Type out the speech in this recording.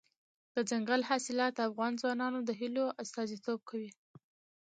دځنګل حاصلات د افغان ځوانانو د هیلو استازیتوب کوي.